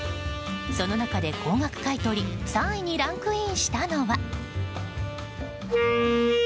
その中で高額買い取り３位にランクインしたのは。